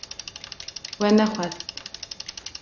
We nexwest